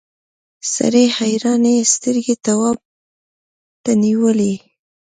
سړي حیرانې سترګې تواب ته نیولې.